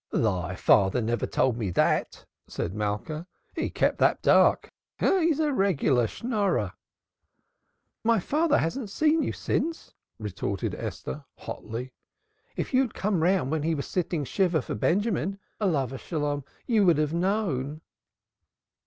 "Thy father never told me that!" said Malka. "He kept that dark. Ah, he is a regular Schnorrer!" "My father hasn't seen you since," retorted Esther hotly. "If you had come round when he was sitting shiva for Benjamin, peace be upon him, you would have known."